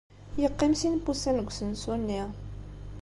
Yeqqim sin n wussan deg usensu-nni.